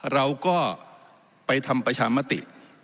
เราก็ไปทำประชามติ